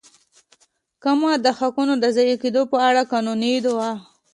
کمه د حقونو د ضایع کېدو په اړه قانوني دعوه.